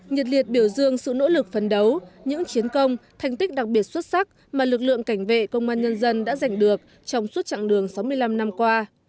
nhiệt liệt biểu dương sự nỗ lực phấn đấu những chiến công thành tích đặc biệt xuất sắc mà lực lượng cảnh vệ công an nhân dân đã giành được trong suốt chặng đường sáu mươi năm năm qua